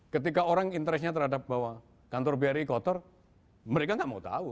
ketika orang interestnya terhadap bahwa kantor bri kotor mereka nggak mau tahu